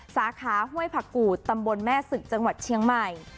สาขาห้วยผักกูดตำบลแม่ศึกจังหวัดเชียงใหม่